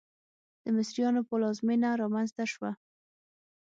د مصریانو پلازمېنه رامنځته شوه.